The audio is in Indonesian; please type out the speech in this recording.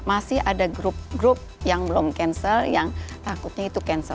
masih ada grup grup yang belum cancel yang takutnya itu cancel